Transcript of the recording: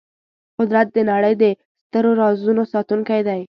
قدرت د نړۍ د سترو رازونو ساتونکی دی.